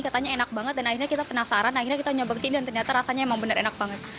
katanya enak banget dan akhirnya kita penasaran akhirnya kita nyoba kesini dan ternyata rasanya emang bener enak banget